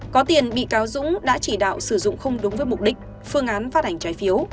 có tiền bị cáo dũng đã chỉ đạo sử dụng không đúng với mục đích phương án phát hành trái phiếu